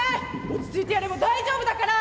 落ち着いてやれば大丈夫だから。